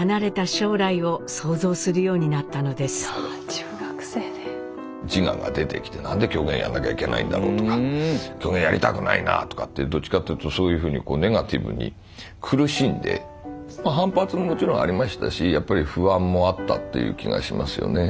自我が出てきて何で狂言やんなきゃいけないんだろうかとか狂言やりたくないなぁとかってどっちかというとそういうふうにネガティブに苦しんで反発ももちろんありましたしやっぱり不安もあったという気がしますよね。